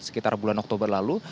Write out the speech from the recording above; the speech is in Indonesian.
sekitar bulan oktober lalu